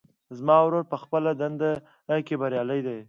زما ورور په خپله دنده کې بریالی ده